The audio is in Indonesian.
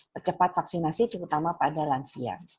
percepat vaksinasi terutama pada lansia